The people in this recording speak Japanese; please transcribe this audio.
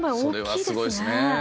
それはすごいですね。